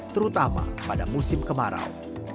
terutama pada musim kemarau